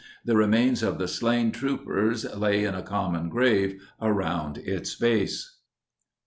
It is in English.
The remains of the slain troopers lay in a common grave around its base.